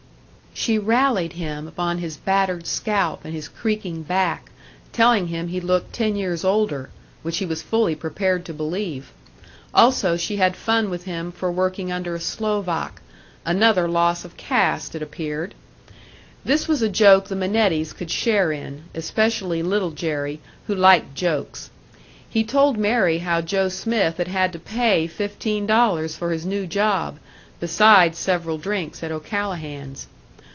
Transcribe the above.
She rallied him upon his battered scalp and his creaking back, telling him he looked ten years older which he was fully prepared to believe. Also she had fun with him for working under a Slovak another loss of caste, it appeared! This was a joke the Minettis could share in especially Little Jerry, who liked jokes. He told Mary how Joe Smith had had to pay fifteen dollars for his new job, besides several drinks at O'Callahan's.